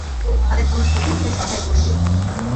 তাদের পুরুষ প্রতিপক্ষের সংখ্যা একুশ।